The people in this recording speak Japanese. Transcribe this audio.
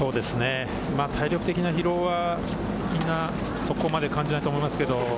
体力的な疲労は、みんなそこまで感じないと思いますけれど。